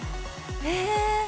え！